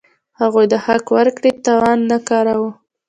هغوی د حق د ورکړې توان نه کاراوه.